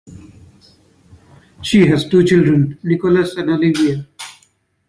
She has two children, Nicholas and Olivia.